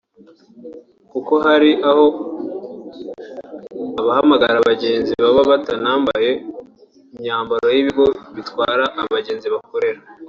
kuko hari aho abahamagara abagenzi baba batanambaye imyambaro y’ibigo bitwara abagenzi bakorera